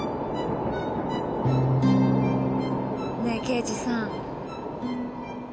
ねえ刑事さん。